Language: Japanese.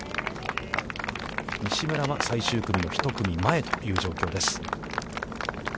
西村は最終組の１組前という状況です。